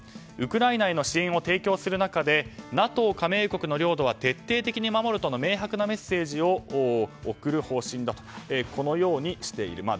ウクライナへの支援を提供する中でＮＡＴＯ加盟国の領土は徹底的に守るとの明白なメッセージを送る方針だとこのようにしている。